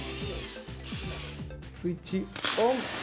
スイッチ、オン！